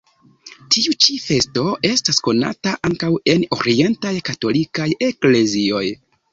Tiu ĉi festo estas konata ankaŭ en orientaj katolikaj eklezioj.